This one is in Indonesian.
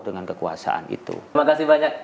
dengan kekuasaan itu terima kasih banyak